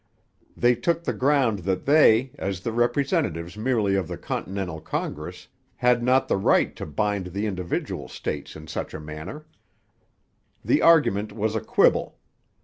They took the ground that they, as the representatives merely of the Continental Congress, had not the right to bind the individual states in such a matter. The argument was a quibble.